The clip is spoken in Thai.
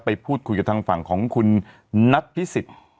ไปพูดคุยกับทางฝั่งของคุณนัทพิสิทธิ์